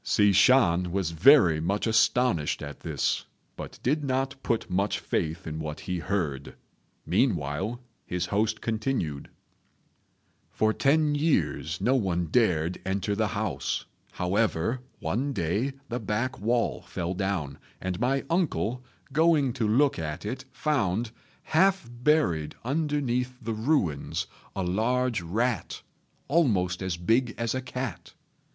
Hsi Shan was very much astonished at this, but did not put much faith in what he heard; meanwhile his host continued, "For ten years no one dared enter the house; however, one day the back wall fell down, and my uncle, going to look at it, found, half buried underneath the ruins, a large rat, almost as big as a cat.